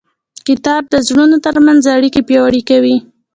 کتاب د زړونو ترمنځ اړیکې پیاوړې کوي.